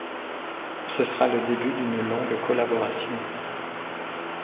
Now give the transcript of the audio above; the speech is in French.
Ce sera le début d'une longue collaboration.